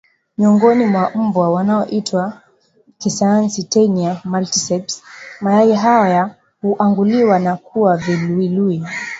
miongoni mwa mbwa wanaoitwa kisayansi Taenia Multicepts Mayai haya huanguliwa na kuwa viluwiluwi